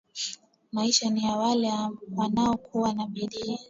Maisha niya wale wanao kuwa na bidii